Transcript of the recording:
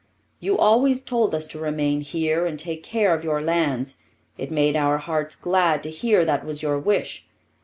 You always told us to remain here and take care of your lands; it made our hearts glad to hear that was your wish.